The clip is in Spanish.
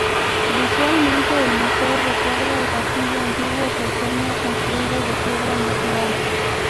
Visualmente el museo recuerda el castillo antiguo pequeño, construido de piedra natural.